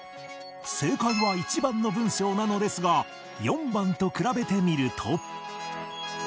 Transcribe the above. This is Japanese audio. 正解は１番の文章なのですが４番と比べてみると